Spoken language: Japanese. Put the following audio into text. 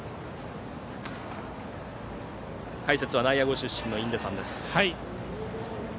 解説は内野ご出身の印出さんです。